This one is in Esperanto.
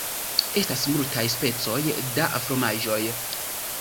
Estas multaj specoj da fromaĝoj.